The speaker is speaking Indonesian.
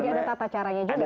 jadi ada tata caranya juga ya